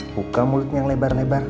buka mulutnya yang lebar lebar